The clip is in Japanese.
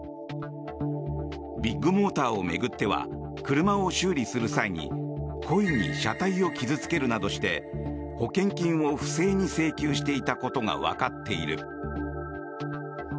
ビッグモーターを巡っては車を修理する際に故意に車体を傷付けるなどして保険金を不正に請求していたことがわかっている。